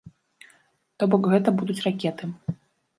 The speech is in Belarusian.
То бок, гэта будуць ракеты.